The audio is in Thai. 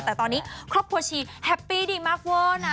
แต่ตอนนี้ครอบครัวชีแฮปปี้ดีมากเวอร์นะ